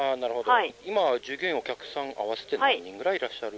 今は従業員、お客さん合わせて何人くらいいらっしゃる？